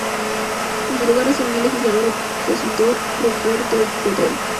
En su lugar asumió el legislador opositor Ruperto Godoy.